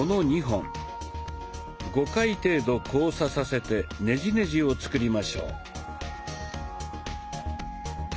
５回程度交差させてネジネジを作りましょう。